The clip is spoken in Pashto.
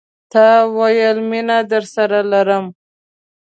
تا ویل، میینه درسره لرم